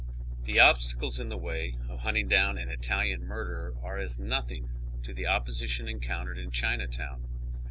The obstacles in the way of hunting down an Italian murderer are as nothing to the opposition encountered in China town.